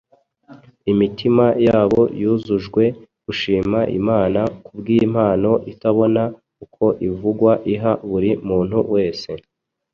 imitima yabo yuzujwe gushima Imana kubw’impano itabona uko ivugwa iha buri muntu wese